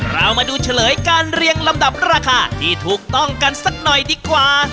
เรามาดูเฉลยการเรียงลำดับราคาที่ถูกต้องกันสักหน่อยดีกว่า